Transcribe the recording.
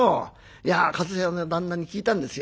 いや上総屋の旦那に聞いたんですよ。